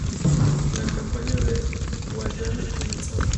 La campaña de Guayana comenzaba.